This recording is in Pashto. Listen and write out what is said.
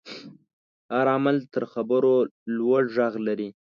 هر عمل تر خبرو لوړ غږ لري.